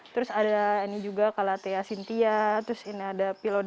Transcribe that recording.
terus ada ini juga kalatea cynthia terus ini ada pilod